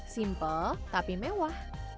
simple tapi mewah